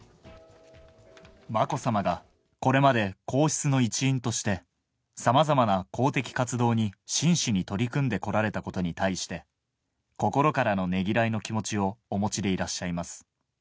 まこさまが、これまで皇室の一員として、さまざまな公的活動に真摯に取り組んでこられたことに対して、心からのねぎらいの気持ちをお持ちでいらっしゃいます。